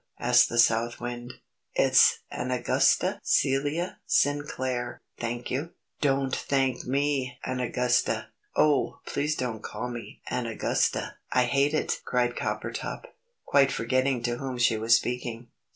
asked the South Wind. "It's Anagusta Celia Sinclair, thank you." "Don't thank me, Anagusta." "Oh, please don't call me Anagusta! I hate it!" cried Coppertop, quite forgetting to whom she was speaking.